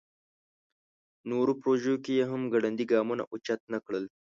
نورو پروژو کې یې هم ګړندي ګامونه اوچت نکړل.